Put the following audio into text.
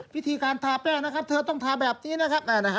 วิธีการทาแป้งนะครับเธอต้องทาแบบนี้นะครับ